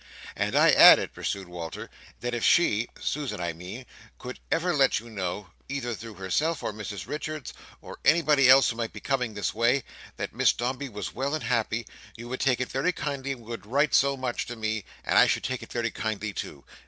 "And I added," pursued Walter, "that if she—Susan, I mean—could ever let you know, either through herself, or Mrs Richards, or anybody else who might be coming this way, that Miss Dombey was well and happy, you would take it very kindly, and would write so much to me, and I should take it very kindly too.